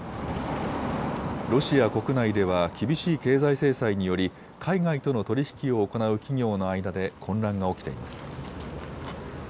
ロシア国内では厳しい経済制裁により海外との取り引きを行う企業の間で混乱が起きています。